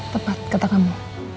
tepat kata kamu